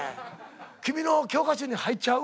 君の教科書に入っちゃう？